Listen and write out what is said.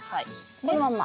このまんま？